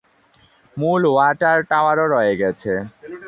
মূল ওয়াটার টাওয়ারও রয়ে গেছে।